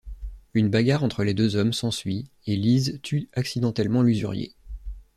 Une bagarre entre les deux hommes s’ensuit et Lise tue accidentellement l’usurier.